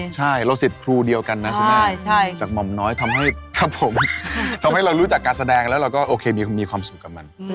ใช่เราสิทธิ์ครูเดียวกันนะคุณแม่จากหม่อมน้อยทำให้ครับผมทำให้เรารู้จักการแสดงแล้วเราก็โอเคมีความสุขกับมัน